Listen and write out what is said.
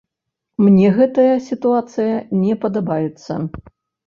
Мне гэтая сітуацыя не падабаецца.